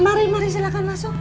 mari mari silahkan langsung